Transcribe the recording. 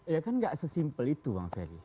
ya kan gak sesimpel itu bang ferry